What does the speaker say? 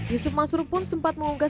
yusuf mazrul pun sempat mengunggah